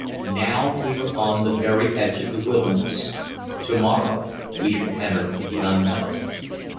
Now we were on the very edge of the wilderness. To morrow we should enter the unknown.